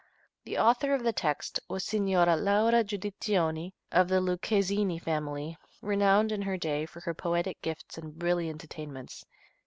The author of the text was Signora Laura Guidiccioni, of the Lucchesini family, renowned in her day for her poetic gifts and brilliant attainments.